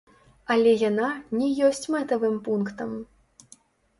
Але яна не ёсць мэтавым пунктам.